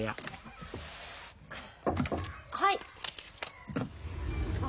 はい。